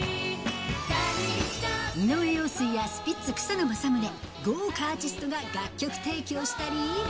井上陽水やスピッツ・草野マサムネ、豪華アーティストが楽曲提供したり。